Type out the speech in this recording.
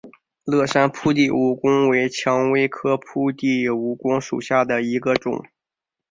乐山铺地蜈蚣为蔷薇科铺地蜈蚣属下的一个种。